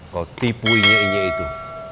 kau tipu inyek inyek itu